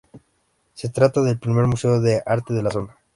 Se trata del primer museo de arte de la zona.